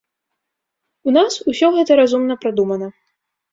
У нас усё гэта разумна прадумана.